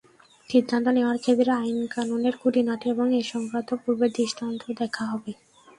সিদ্ধান্ত নেওয়ার ক্ষেত্রে আইনকানুনের খুঁটিনাটি এবং এ-সংক্রান্ত পূর্বের দৃষ্টান্তও দেখা হবে।